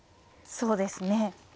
そうですね。